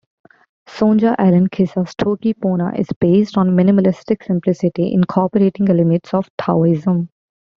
Sonja Elen Kisa's Toki Pona is based on minimalistic simplicity, incorporating elements of Taoism.